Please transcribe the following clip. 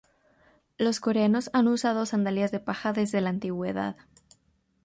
Los coreanos han usado sandalias de paja desde la antigüedad.